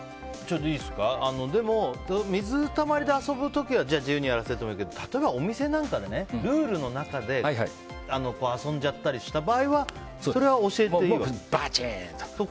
でも、水たまりで遊ぶ時は自由にやらせてもいいけど例えば、お店の中でルールの中で遊んじゃったりした場合はそれはバチーンと。